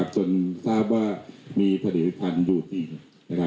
จนทราบว่ามีผลิตภัณฑ์อยู่จริง